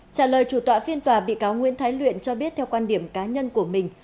trả lời chủ tọa phiên tòa bị cáo nguyễn thái luyện cho biết theo quan điểm cá nhân của mình